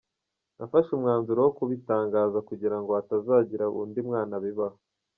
Nafashe umwanzuro wo kubitangaza kugira ngo hatazagira undi mwana bibaho.